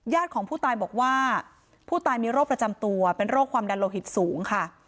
ของผู้ตายบอกว่าผู้ตายมีโรคประจำตัวเป็นโรคความดันโลหิตสูงค่ะ